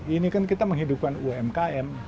ini kan kita menghidupkan umkm